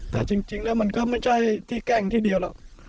แต่จริงแล้วมันก็ไม่ใช่ที่แกล้งที่เดียวหรอก